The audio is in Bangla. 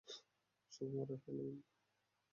শুভ মরার হ্যালোউইন।